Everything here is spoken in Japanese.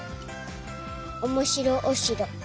おもしろおしろ。